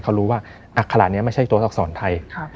เขารู้ว่าอัคระนี้ไม่ใช่ตัวอักษรไทย